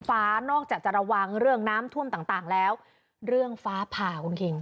นอกจากจะระวังเรื่องน้ำท่วมต่างแล้วเรื่องฟ้าผ่าคุณคิง